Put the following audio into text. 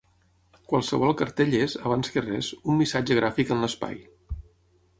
Qualsevol cartell és, abans que res, un missatge gràfic en l’espai.